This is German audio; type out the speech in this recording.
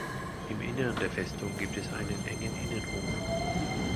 Im Inneren der Festung gibt es einen engen Innenhof.